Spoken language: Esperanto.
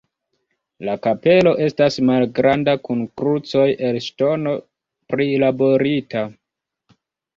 La kapelo estas malgranda kun krucoj el ŝtono prilaborita.